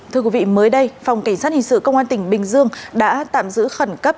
thưa quý vị mới đây phòng cảnh sát hình sự công an tỉnh bình dương đã tạm giữ khẩn cấp